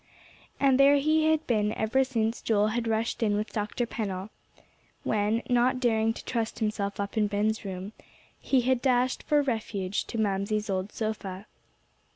And there he had been ever since Joel had rushed in with Dr. Pennell; when, not daring to trust himself up in Ben's room, he had dashed for refuge to Mamsie's old sofa.